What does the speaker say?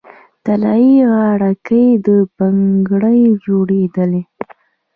طلايي غاړکۍ او بنګړي جوړیدل